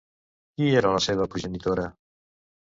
Qui era la seva progenitora?